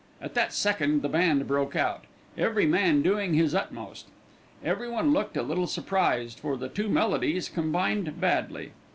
At that second the band broke out, every man doing his utmost. Everyone looked a little surprised, for the two melodies combined badly.